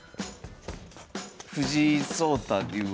藤井聡太竜王。